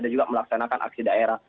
juga melaksanakan aksi daerah